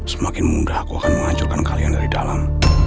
semakin mudah aku akan menghancurkan kalian dari dalam